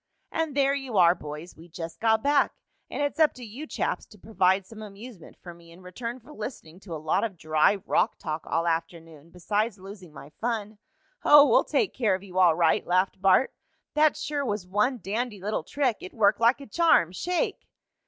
"And there you are, boys. We just got back, and it's up to you chaps to provide some amusement for me in return for listening to a lot of dry rock talk all afternoon, besides losing my fun." "Oh, we'll take care of you all right!" laughed Bart. "That sure was one dandy little trick! It worked like a charm. Shake!"